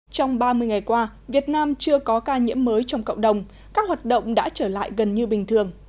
trong ba mươi ngày qua việt nam chưa có ca nhiễm mới trong cộng đồng các hoạt động đã trở lại gần như bình thường